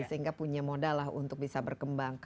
sehingga punya modal lah untuk bisa berkembang